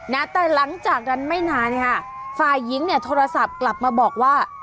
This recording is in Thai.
นะแต่หลังจากนั้นไม่นานค่ะฝ่ายหญิงเนี่ยโทรศัพท์กลับมาบอกว่า